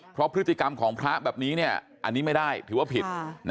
เพราะพฤติกรรมของพระแบบนี้อันนี้ไม่ได้ถือว่าผิด